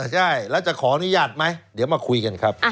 ใช่แล้วจะขออนุญาตไหมเดี๋ยวมาคุยกันครับ